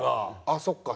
あっそっか。